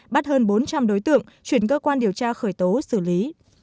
bắt hơn bốn trăm linh đối tượng chuyển cơ quan điều tra khởi tố xử lý